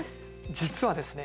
実はですね